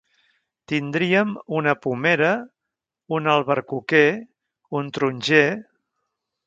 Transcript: Tindríem una pomera, un albercoquer, un taronger...